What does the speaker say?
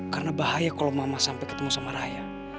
karena bahaya kalau mama sampai ketemu sama raya